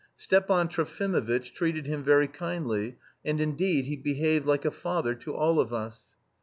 Stepan Trofimovitch treated him very kindly, and indeed he behaved like a father to all of us.